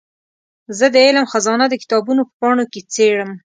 زه د علم خزانه د کتابونو په پاڼو کې څېړم.